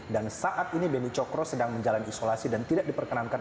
dan saat ini beni cokro sedang menjalani isolasi dan tidak diperkenalkan